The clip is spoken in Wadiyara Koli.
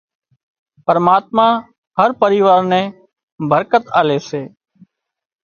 پرماتما هر پريوار نين برڪت آلي سي